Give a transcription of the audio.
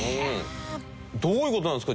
どういう事なんですか？